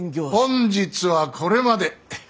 本日はこれまで。